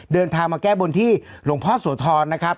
เดินทางมาแก้บนที่หลวงพ่อโสธรนะครับ